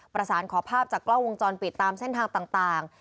ประสานขอภาพจากกล้องวงจรปิดตามเส้นทางต่าง